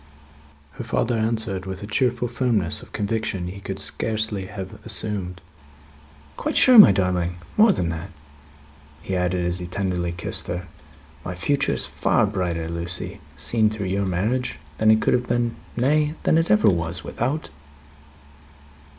Her father answered, with a cheerful firmness of conviction he could scarcely have assumed, "Quite sure, my darling! More than that," he added, as he tenderly kissed her: "my future is far brighter, Lucie, seen through your marriage, than it could have been nay, than it ever was without it."